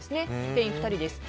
定員２人です。